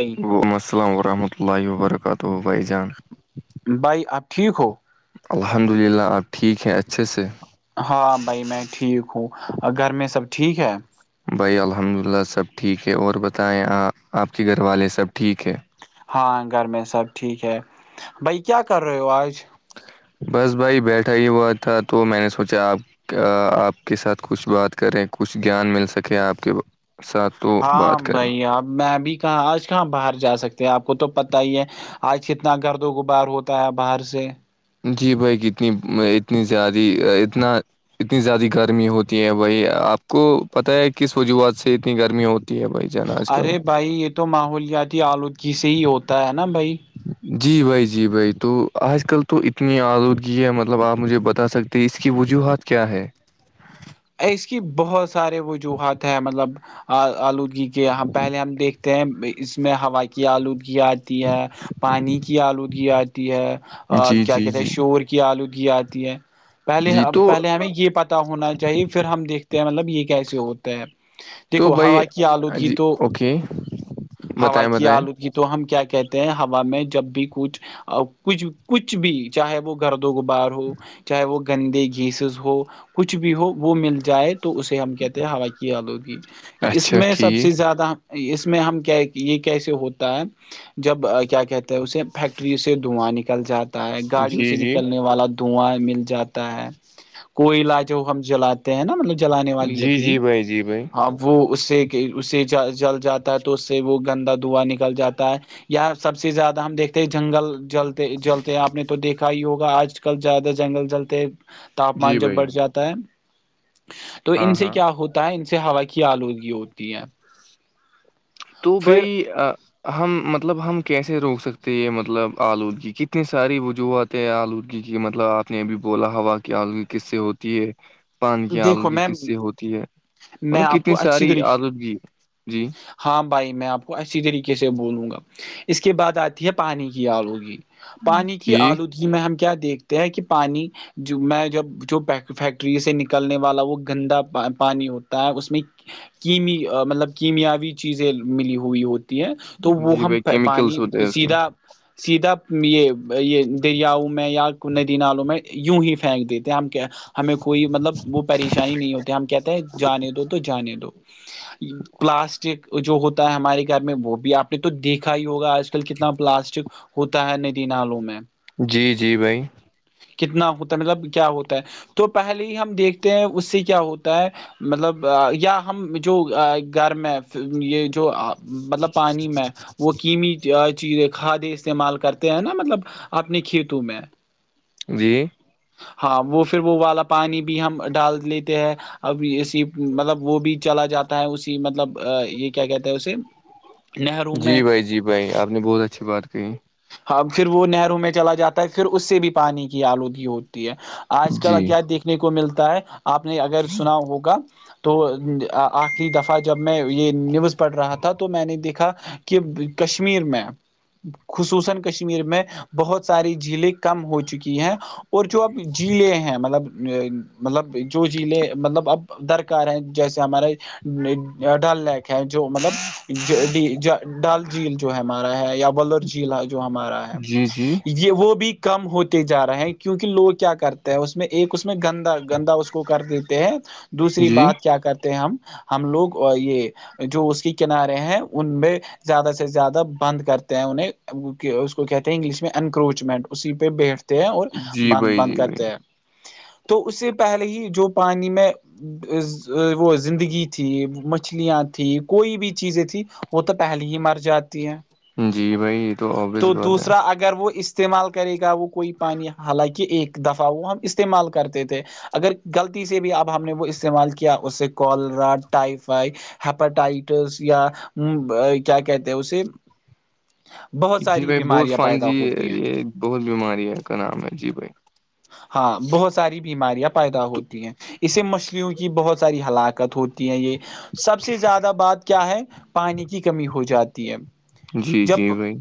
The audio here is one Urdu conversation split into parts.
نہیں ولم السلام ورحمۃ اللہ وبرکاتہ جان [unintelligible] بھائی آپ ٹھیک ہو الحمد للہ آپ ٹھیک ہیں اچھے سے ہاں بھائی میں ٹھیک ہوں گھر میں سب ٹھیک ہے بھائی الحمد للہ سب ٹھیک ہے اور بتائیں آ آپ کے گھر والے سب ٹھیک ہے ہاں گھر میں سب ٹھیک ہے بھائی کیا کر رہے ہو آج بس بھائی بیٹھا ہی ہوا تھا تو میں نے سوچا آپ آپ کے ساتھ کچھ بات کریں کچھ گیان مل سکیں آپ کے ساتھ تو ہاں بات کریں بھائی اب میں اب کہاں آج کہاں باہر جا سکتے ہیں آپ کو تو پتا ہی ہے آج کتنا گرد و غبار ہوتا ہے باہر سے جی بھائی اتنی اتنی زیادہ اتنا اتنی زیادہ گرمی ہوتی ہے بھائی آپ کو پتہ ہے کس وجوہات سے اتنی گرمی ہوتی ہے بھائی جان آج کل ارے بھائی یہ تو ماحولیاتی آلودگی سے ہی ہوتا ہے نا بھائی جی بھائی جی بھائی تو آج کل تو اتنی آروگیہ ہے مطلب آپ مجھے بتا سکتے تو اس کی وجوہات کیا ہے اس کی بہت سارے وجوہات ہیں مطلب آلودگی کے ہم پہلے ہم دیکھتے اس میں ہوائی کی آلودگی آتی ہے پانی کی آلودگی آتی ہے اور جی کیا جی کہتے ہیں جی شور کی آلودگی آتی ہے پہلے جی تو پہلے ہمیں یہ پتا ہونا چاہیے پھر ہم دیکھتے ہیں مطلب یہ کیسے ہوتا ہے تو دیکھو بھائی ہوا کی آلودگی جی تو اوکے ہوا بتائیں کی بتائیں آلودگی تو تو ہم کیا کہتے ہیں ہوا میں جب بھی کچھ اور کچھ کچھ بھی چاہے وہ گھردوں کو باہار ہو چاہے وہ گندے گیسز ہو کچھ بھی ہو وہ مل جائے تو اسے ہم کہتے ہیں ہوائی کی آلودگی اس اچھا میں سب سے ٹھیک زیادہ اس میں ہم کیا یہ کیسے ہوتا ہے جب کیا کہ اسے فیکٹری سے دھواں نکل جاتا ہے گاڑیوں جی سے جی نکلنے والا دھواں مل جاتا ہے کوئی علاج ہو ہم جلاتے ہیں نا مطلب جلانے والی جی لکڑی جی بھائی جی بھائی آ وہ اس سے کہ اسے جل جاتا ہے تو اس سے وہ گندا دھواں نکل جاتا ہے یہ سب سے زیادہ ہم دیکھتے ہیں جنگل جل جلتے آپ نے تو دیکھا ہی ہوگا آج کل زیادہ جنگل جلتے ہیں تاپمان جی جب بھائی بڑھ جاتا ہے تو ہاں ان سے ہاں کیا ہوتا ہے ان سے ہوا کی آلودگی ہوتی ہے تو پھر بھائی ہم مطلب ہم کیسے روک سکتے یہ مطلب آلودگی کتنی ساری وجوہات آلودگی کی مطلب آپ نے یہبھی بولا ہوا کہ آلودگی کس سے ہوتی ہے پان کی دیکھو آلودگی میں کس سے ہوتی ہے میں مطلب آپ کتنی کو اچھی ساری طریقے آلودگی جی ہاں بھائی میں آپ کو اچی طریقے سے بولوں گا اس کے بعد آتی ہے پانی کی آلودگی پانی کی ٹھیک آلودی ہم کیا دیکھتے ہیں کہ پانی میں جب جو فیکٹری سے نک کلنے والا وہ گندا پانی ہوتا ہے اس میں کیمی مطلب کیمیاوی چیزیں ملی ہوئی ہوتی ہے تو وہ جی ہم بھائی کیمیکلس پانی ہوتے ہیں اس میں سیدھا سیدھا یہ یہ دریاؤں میں یا ندی نالوں میں یوں ہی پھینک دیتے ہیں ہم کہ ہمیں کوئی مطلب وہ پریشانی نہیں ہوتی ہم کہتے ہیں جانے دو تو جانے دو پلاسٹک جو ہوتا ہمارے گھر میں وہ بھی آپ نے تو دیکھا ہی ہوگا آج کل کتنا پلاسٹک ہوتا ہے ندینلوں میں جی جی بھائی کتنا ہوتا ہے مطلب کیا ہوتا ہے تو پہلے ہی ہم دیکھتے ہیں اس سے کیا ہوتا ہے مطلب یا ہم جو گھر میں یہ جو مطلب پانی میں وہ قمی چیزیں کھادے استعمال کرتے ہیں نا مطلب اپنے کھیتوں میں جی ہاں وہ پھر وہ والا پانی بھی ہم ڈال لیتے ہیں اب اسی مطلب وہ بھی چلا جاتا ہے اسی مطلب یہ کیا کہتے ہیں اسے نہرو میں جی بھائی جی بھائی آپ نے بہت اچھی بات کہی ہاں پھر وہ نہروں میں چلا جاتا ہے پھر اس سے بھی پانی کی آلودگی ہوتی ہے آج کل جی کیا دیکھنے کو ملتا ہے آپ نے اگر سنا ہوگا تو آخری دفعہ جب میں یہ نیوز پڑھ رہا تھا تو میں نے دیکھا کہ کشمیر میں خصوصن کشمیر میں بہت ساری جھیلیں کم ہو چکی ہیں اور جو اب جیلیں ہیں مطلب مطلب جو جھیلیں مطلب اب درکار ہیں جیسے ہمارے ڈل لیک ہے جو مطلب ج ڈال جھیل جو ہے ہمارا ہے یا ولر جھیل جو ہمارا ہے جی جی یہ یہ وہ بھی کم ہوتے جا رہے ہیں کیونکہ لوگ کیا کرتے ہیں اس میں ایک اس میں گندا گندا اس کو کر دیتے ہیں دوسری جی بات کیا کرتے ہیں ہم ہم لوگ یہ جو اس کے کنارے ہیں ان میں زیادہ سے زیادہ بند کرتے ہیں انہیں اس کو کہتے ہیں انگلش میں انکروچمنٹ اسی پہ بیٹھتے ہیں اور جی بند بھائی بند جی بھائی کرتے ہیں تو اس سے پہلے ہی جو پانی میں وہ زندگی تھی مچھلیاں تھی کوئی بھی چیزیں تھھی وہ تو پہلے ہی مر جاتی ہے جی بھائی یہ تو ابویس بات ہے اگر وہ استعمال کرے گا وہ کوئی پانی حالانکہ ایک دفعہ وہ ہم استعمال کرتے تھے اگر غلطی سے بھی اب ہم نے وہ استعمال کیا اس سے کالرا ٹائیفائی ہیپاٹائٹس یا کیا کہتے ہیں اسے بہت جی ساری بھائی بہت بیماریاں فن پیدا جی ہوتی ہیں یہ بہت بیماری ہے کا نام ہے جی بھائی ہاں بہت ساری بیماریاں پیدا ہوتی ہے اسے مچھلیوں کی بہت ساری ہلاکت ہوتی ہے یہ سب سے زیادہ بات کیا ہے پانی کی کمی ہو جاتی ہے جی جی جب بھائی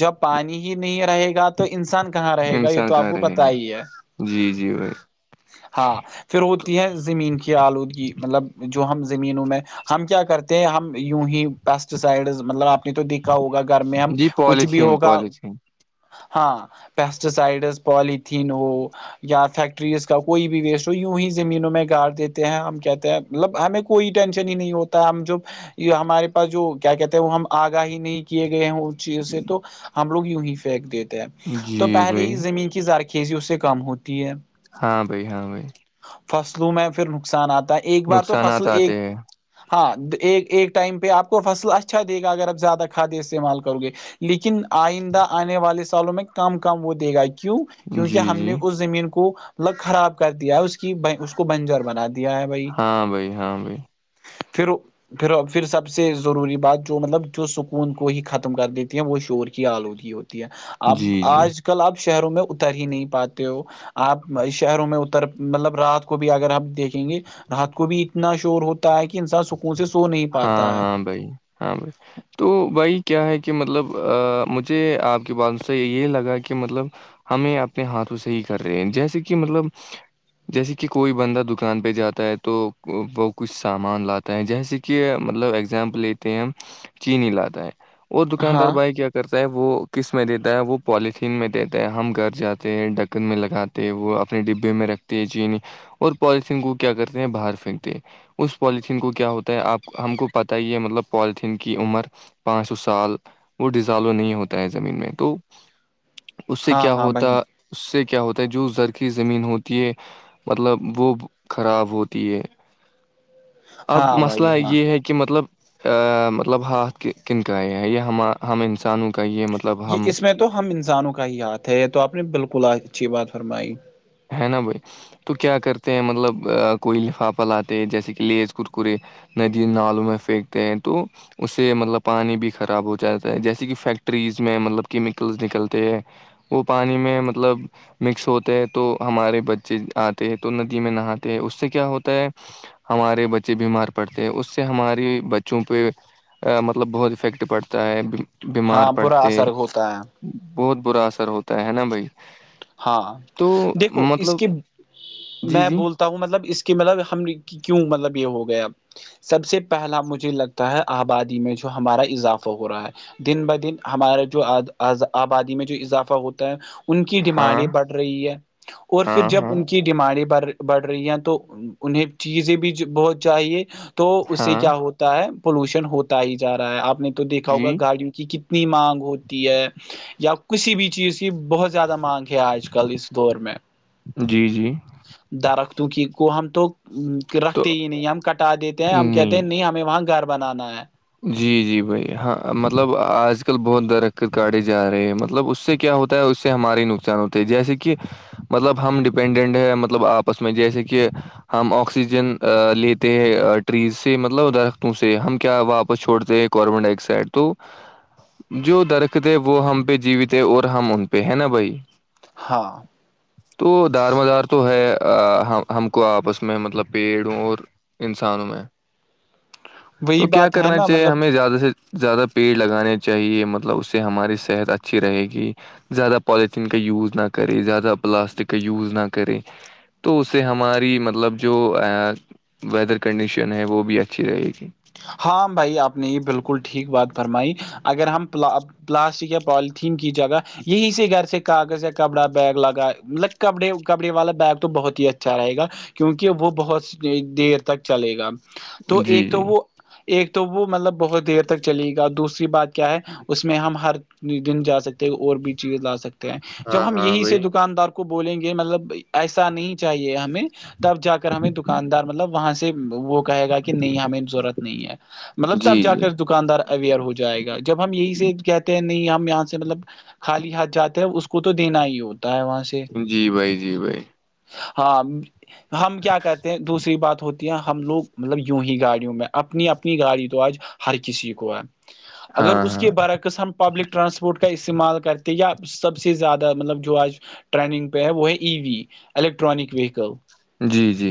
جب پانی ہی نہیں رہے گا تو انسان کہاں رہے گا یہ انسان تو آپ کہاں کو رہے پتا گا ہی ہے جی جی بھائی ہاں پھر ہوتی ہے زمین کی آلودگی مطلب جو ہم زمینوں میں ہم کیا کرتے ہیں ہم یوں ہی پیسٹیسائڈز مطلب آپ نے تو دیکھا ہوگا گھر میں ہم جی کچھ بھی پالیتھین ہوگا پالیتھین ہاں پیسٹی سائڈز پوالیتھیین ہو یا فیکٹریز کا کوئی بھی ویسٹ ہو یوں ہی زمینوں میں گاڑ دیتے ہیں ہم کہتے ہیں مطلب ہمیں کوئی ٹینشن ہی نہیں ہوتا ہم جب یہ ہمارے پاس جو کیا کہتے ہیں وہ ہم آگاہی نہیں کیے گئے ہ چیز سے تو ہم لوگ یوں ہی پھینک دیتے ہیں تو جی پہلے ہی بھائی زمین کی زارقی چیزے اس سے کم ہوتی ہے ہاں بھائی ہاں بھائی فصلوں میں پھر نقصان آتا ہے ایک بار تو نقصانات فصل ایک آتے ہیں ہاں ایک ایک ٹائم پہ آپ کو فصل اچھا دے گا اگر آپ زیادہ کھاد استعمال کرو گے لیکن آئندہ آنے والے سالوں میں کام کام وہ دے گا کیوں جی کیونکہ ہم نے جی اس زمین کو لگ خراب کر دیا ہے اس کی ب اس کو بنجر بنا دیا ہے بھائی ہاں بھائی ہاں بھائی پھر پھر پھر سب سے ضروری بات جو مطلب جو سکون کو ہی ختم کر دیتی ہیں وہ شور کی آلودگی ہوتی ہے اپ جی جی آج کل آپ شہروں میں اتر ہی نہیں پاتے ہو آپ شہروں میں اتر مطلب رات کو بھی اگر ہم دیکھیں گے رات کو بھی اتنا شور ہوتا ہے کہ انسان سکون سے سو نہیں ہاں پاتا ہے ہاں بھائی ہاں بائی تو بھائی کیا ہے کہ مطلب مجھے آپ کے بات سے یہ لگا کہ مطلب ہمیں اپنے ہاتھوں سے ہی کر رہے ہیں جیسے کہ مطلب جیسے کہ کوئی بندہ دکان پہ جاتا ہے تو وہ کچھ سامان لاتا ہے جیسے کہ مطلب اگزامپل لیتے ہیں ہم چینینی لاتا ہے اور دکاندار ہاں بھائی کیا کرتا ہے وہ کس میں دیتا ہے وہ پولییتھین میں دیتا ہے ہم گھر جاتے ہیں ڈکن میں لگاتے تو وہ اپنے ڈبے میں رکھتے ہیں جینی اور پالتین کو کیا کرتے ہیں باہر پھینکتے اس پالتین کو کیا ہوتا تو آپ ہم کو پتہ ہی ہے مطلب پوالیتھین کی عمر پانچ سو سال وہ ڈیزالو نہیں ہوتا ہے زمین میں تو اس سے ہاں کیا ہاں بھائی ہوتا اس سے کیا ہوتا ہے جو زرخی زمین ہوتی ہے مطلب وہ خراب ہوتی ہے اب ہاں مسئلہ بھائی ہاں یہ ہے کہ کہ مطلب مطلب ہاتھ کنک ہے ہیں انسان یہ اس میں تو ہم انسانوں کا ہی ہاتھ ہے یہ تو آپ نے بالکل اچھی بات فرمائی ہے نا بھائی تو کیا کرتے ہیں مطلب کوئی لفافا لاتتے جیسے کہ لیز کرکرے ندی نالوں میں پھینکتے ہیں تو اس سے مطلب پانی بھی خراب ہو جاتا ہے جیسے کہ فیکٹریز میں مطلب کیمیکلس نکلتے ہیں وہ پانی میں مطلب مکس ہوتے تو ہمارے بچے آتے ہیں تو ندی میں نہاتے ہیں اس سے کیا ہوتا ہے ہمارے بچے بیمار پڑتے ہیں اس سے ہماری بچوں پہ مطلب بہت افیکٹ پڑتا ہے بیمار ہاں برا پڑتے اثر ہوتا ہے بہت برا اثر ہوتا ہے نا بھائی ہاں تو دیکھو اس مطلب کے جی میں جی بولتا تو وہ مطلب اس کے مطلب ہم کیوں مطلب یہ ہو گیا سب سے پہلا مجھے لگتا ہے آبادی میں جو ہمارا اضافہ ہو رہا ہے دن ب دن ہمارا جو آبادی میں جو اضافہ ہوتا ہے ان کی ہاں ڈیمانڈیں بڑھ رہی ہے اور پھر ہاں جب ہاں ان کی ڈیمانڈیں بڑھ رہی ہیں تو انہیں چیزیں بھی بہت چاہیے تو تو اس سے ہاں کیا ہوتا ہے پولوشن ہوتا ہی جا رہا ہے آپ نے تو دیکھا ہوگا جی گاڑیوں کی ک مانگ ہوتی ہے یا کسی بھی چیز کی بہت زیادہ مانگ ہے آج کل اس دور میں جی جی درختوں کی کو ہم تو تو رکھتے ہی نہیں ہم کٹا دیتے ہیں ہم کہتے ہیں نہیں ہمیں وہاں گھر بنانا ہے جی جی بھائی ہاں مطلب آج کل بہت درخت کاڑے جا رہے ہیں مطلب اس سے کیا ہوتا اس سے ہمارے نقصان ہوتا ہے جیسے کہ مطلب ہم ڈپینڈنٹ ہیں مطلب آپس میں جیسے کہ ہم آکسیجن لیتے ہیں ٹریز سے مطلب درختوں سے ہم کیا واپ وہ چھوڑتے ہیں کاربن ڈائی آکسائڈ تو جو درخت ہے وہ ہم پہ جیوت ہے اور ہم ان پہ ہے نا بھائی ہاں تو دار مدار تو ہے ہم کو آپس میں مطلب پیڑوں اور انسانوں میں وہی بات ہے کر نا چاہے مطلب ہمیں زیادہ سے زیادہ پیڑ لگانے چاہیے مطلب اس سے ہماری صحت اچھی رہے گی زیادہ پالیتھین کا یوز نہ کرے زیادہ پلاسٹک کا یوز نہ کرے تو اسے ہماری مطلب جو ویدر کنڈیشن ہے وہ بھی اچھی رہے گی ہاں بھائی آپ نے یہ بالکل ٹھیک بات فرمائی اگر ہم پلاسٹک یا پوالیتھیین کی جگہ یہی سے گھر سے کاغذ یا کپڑا بیگ لگا مطلب کپڑے کپڑے والا بیگ تو بہت ہی اچھا رہے گا کیونکہ وہ بہت دیر تک چلے گا تو جی ایک تو جی وہ ایک تو وہ مطلب بہت دیر تک چلے گا دوسری بات کیا ہے اس میں ہم ہر دن جا سکتے اور بھی چیز لا سکتے ہیں ہاں جب ہم ہاں یہی سے بھائی دکاندار کو بولیں گے مطلب ایسا نہیں چاہیے ہمیں تب جا کر ہمیں دکاندار مطلب وہاں سے وہ کہے گا کہ نہیں ہمیں ضرورت ہے مطلب تب جی جا جی کر دکاندار اویئر ہو جائے گا جب ہم یہی سے کہتے ہیں نہیں ہم یہاں سے مطلب خالی ہاتھ جاتے ہیں اس کو تو دینا ہی ہوتا ہے وہاں سے جی بھائی جی بھائی ہاں ہم کیا کہتے ہیں دوسری بات ہوتی ہے ہم لوگ مطلب یوں ہی گاڑیوں میں اپنی اپنی گاڑی تو آج ہر کسی کو ہے اگر ہاں اس ہاں کے برعکسم پبلک ٹرانسپورٹ کا استعمال کرتے یا سب سے زیادہ مطلب جو آج ٹرینگ پہ ہے وہ ہے ای وی الیکٹرانک ویکل جی جی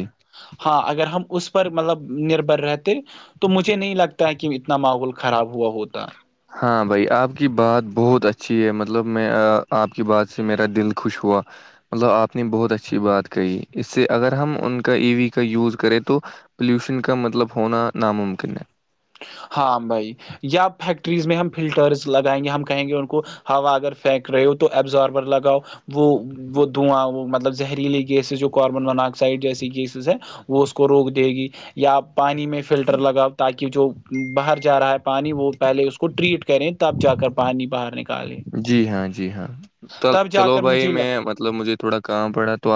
ہاں اگر ہم اس پر مطلب نربھر رہ تو مجھے نہیں لگتا ہے کہ اتنا ماحول خراب ہوا ہوتا ہاں بھائی آپ کی بات بہت اچھی ہے مطلب میں آپ کی بات سے میرا دل خوش ہوا مطلب آپ نے بہت اچھی بات کہی اس سے اگر ہم ان کا ای وی کا یوز کریں تو پولیوشن کا مطلب ہونا ناممکن ہے ہاں بھائی یا فیکٹریز میں ہم فلٹرس لگائیں گے ہم کہیں گے ان کو ہوا اگر پھینک رہے ہو تو ابزاربر لگاؤ وہ وہ دعاں وہ مطلب زہریلی گیسز جو کاربن منا آکسائڈ جیسی گیسیز ہیں وہ اس کو روک دے گی یا پانی میں فلٹر لگاؤ تاکہ جو باہر جا رہا ہے پانی وہ پہلے اس کو ٹریٹ کریں تب جا کر پانی بہرنے کا جی ہاں جی ہاں تو تب جا چلو کر بھائی مجھے لگ میں مطلب مجھے تھوڑا کام پڑا تو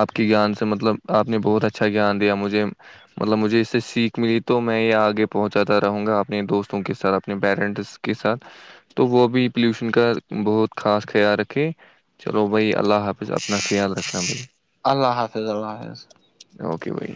آپ کی گیان سے مطلب آپ نے بہت اچھا گیان دیا مجھے مطلب مجھے اس سے سیکھ ملی تو میں یہ آگے پہنچاتا رہوں گا اپنے دوستوں کے ساتھ اپنے پیرنٹس کے ساتھ تو وہ بھی پولوشن کا بہت خاص خیال رکھے چلو بھائی اللہ حافظ اپنا خیال رکھنا بھائی اللہ حافظ اللہ حافظ اوکے بھائی